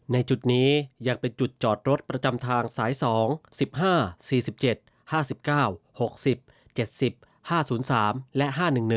ในจุดนี้ยังเป็นจุดจอดรถประจำทางสาย๒๑๕๔๗๕๙๖๐๗๐๕๐๓และ๕๑๑